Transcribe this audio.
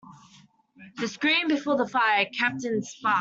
The screen before the fire kept in the sparks.